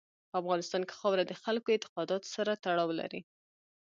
په افغانستان کې خاوره د خلکو اعتقاداتو سره تړاو لري.